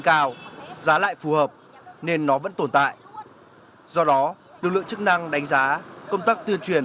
cao giá lại phù hợp nên nó vẫn tồn tại do đó lực lượng chức năng đánh giá công tác tuyên truyền